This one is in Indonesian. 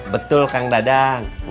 betul kang dadang